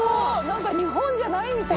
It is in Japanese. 何か日本じゃないみたい。